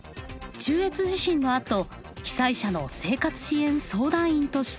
中越地震のあと被災者の生活支援相談員としてやって来ました。